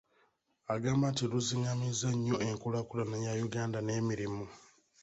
Agamba nti luzingamizza nnyo enkulaakulana ya Uganda n’emirimu.